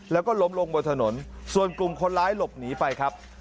แล้วก็ล้มลงบนถนนส่วนกลุ่มคนร้ายหลบหนีไปครับ